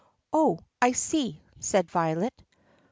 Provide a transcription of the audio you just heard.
"Oh, I see," said Violet.